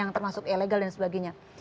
yang termasuk ilegal dan sebagainya